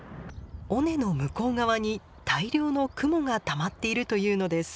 尾根の向こう側に大量の雲がたまっているというのです。